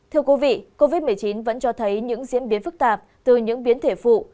thưa quý vị covid một mươi chín vẫn cho thấy những diễn biến phức tạp từ những biến thể phụ